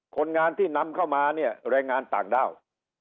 คนงานที่นำเข้ามาเนี่ยแรงงานต่างด้าว